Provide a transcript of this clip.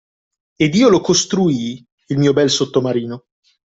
Ed io lo costruii, il mio bel sottomarino